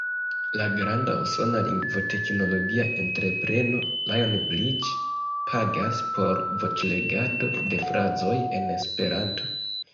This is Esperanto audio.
La granda usona lingvoteknologia entrepreno Lionbridge pagas por voĉlegado de frazoj en Esperanto.